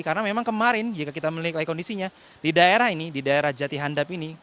karena memang kemarin jika kita melihat kondisinya di daerah ini di daerah jatihandap ini